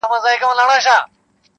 ښکلي سیمي لوی ښارونه یې سور اور کړ-